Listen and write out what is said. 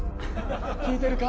聞いてるか？